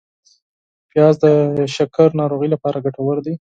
پیاز د شکر ناروغۍ لپاره ګټور دی